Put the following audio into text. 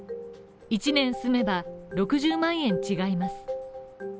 １年住めば６０万円違います。